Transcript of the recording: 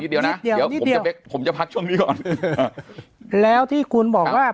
เดี๋ยวนะเดี๋ยวผมจะผมจะพักช่วงนี้ก่อนแล้วที่คุณบอกว่า